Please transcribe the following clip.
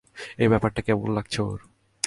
এই ব্যাপারটা কেমন লাগছে ওর?